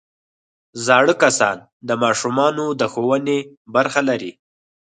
زاړه کسان د ماشومانو د ښوونې برخه لري